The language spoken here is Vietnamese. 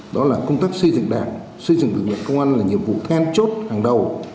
đó là công tác xây dựng đảng xây dựng lực lượng công an là nhiệm vụ then chốt hàng đầu